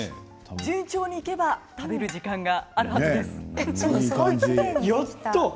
順調にいけば食べる時間があるはずです。